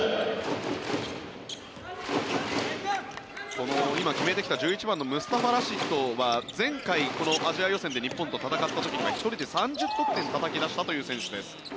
この今、決めてきた１１番のムスタファ・ラシッドは前回、このアジア予選で日本と戦った時には１人で３０得点たたき出したという選手です。